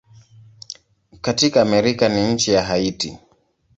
Katika Amerika ni nchi ya Haiti.